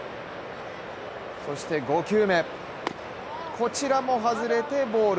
そして５球目、こちらも外れてボール。